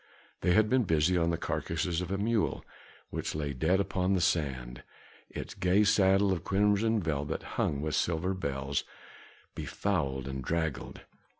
They had been busy on the carcass of a mule, which lay dead upon the sand, its gay saddle of crimson velvet hung with silver bells, befouled and draggled.